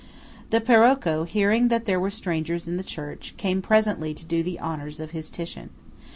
The Parocco, hearing that there were strangers in the church, came presently to do the honours of his Titian.